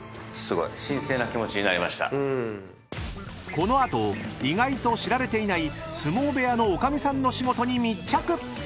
［この後意外と知られていない相撲部屋のおかみさんの仕事に密着！］